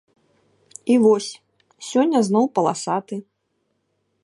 І вось, сёння зноў паласаты!